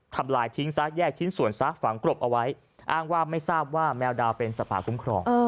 ทำลายทิ้งซะแยกชิ้นส่วนซะฝังกรบเอาไว้อ้างว่าไม่ทราบว่าแมวดาวเป็นสัตว์ป่าคุ้มครอง